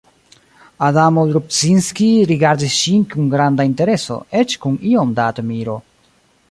Adamo Rudzinski rigardis ŝin kun granda intereso, eĉ kun iom da admiro.